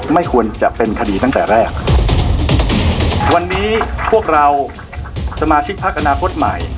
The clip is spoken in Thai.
ไม่ควรจะเป็นคดีตั้งแต่แรกวันนี้พวกเราสมาชิกพักอนาคตใหม่